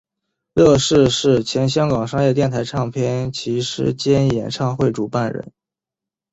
乐仕是前香港商业电台唱片骑师兼演唱会主办人。